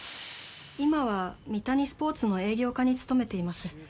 今はミタニスポーツの営業課に勤めています。